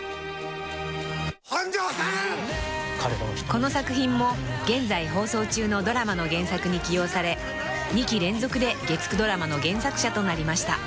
［この作品も現在放送中のドラマの原作に起用され２期連続で月９ドラマの原作者となりました］